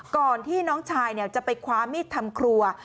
ก่อนที่น้องชายจะไปคว้ามีดทำครัว